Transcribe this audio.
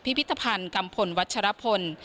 พิพิธภัณฑ์กัมพลวัชรพล